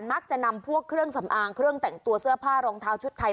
มักจะนำพวกเครื่องสำอางเครื่องแต่งตัวเสื้อผ้ารองเท้าชุดไทย